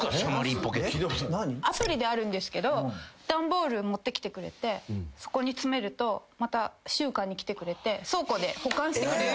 アプリであるんですけど段ボール持ってきてくれてそこに詰めるとまた集荷に来てくれて倉庫で保管してくれる。